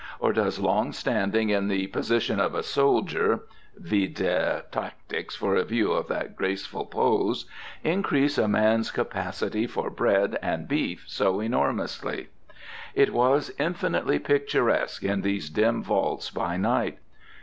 Or does long standing in the "Position of a Soldier" (vide "Tactics" for a view of that graceful pose) increase a man's capacity for bread and beef so enormously? It was infinitely picturesque in these dim vaults by night.